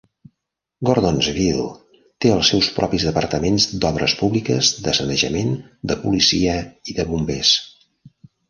Gordonsville té els seus propis departaments d'obres públiques, de sanejament, de policia i de bombers.